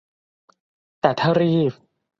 แต่ถ้ารีบ